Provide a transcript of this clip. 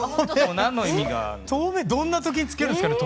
どんな時につけるんですかね